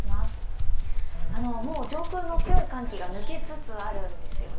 もう上空の強い寒気が抜けつつあるんですよね。